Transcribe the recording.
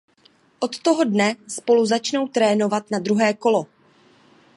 Od toho dne spolu začnou trénovat na druhé kolo.